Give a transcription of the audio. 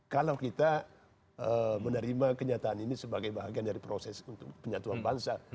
kalau kita menerima kenyataan ini sebagai bagian dari proses untuk penyatuan bangsa